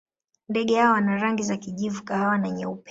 Ndege hawa wana rangi za kijivu, kahawa na nyeupe.